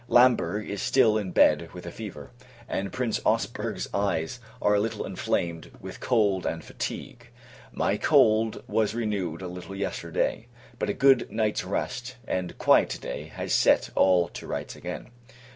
Lamberg is still in bed with a fever, and Prince Ausberg's eyes are a little inflamed with cold and fatigue. My cold was renewed a little yesterday; but a good night's rest, and quiet to day, has set all to rights again.